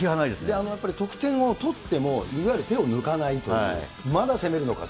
やっぱり得点をとっても、いわゆる手を抜かないという、まだ攻めるのかと。